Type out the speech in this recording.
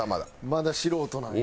まだ素人なんや。